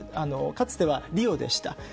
かつては、リオでした。